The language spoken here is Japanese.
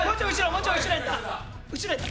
もうちょい後ろやった。